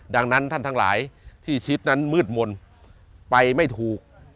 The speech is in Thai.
ดังนั้นท่านทั้งหลายที่ชิดนั้นมืดมนต์ไปไม่ถูก